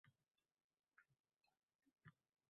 Otasining ko‘ziga tik qaragan edi u.